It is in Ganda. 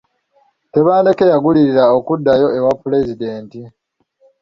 Tebandeke yagulirira okuddayo ewa Pulezidenti.